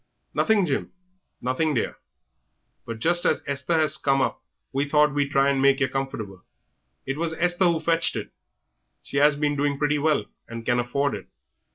"Nothing, Jim; nothing, dear, but just as Esther has come up we thought we'd try to make yer comfortable. It was Esther who fetched it; she 'as been doing pretty well, and can afford it."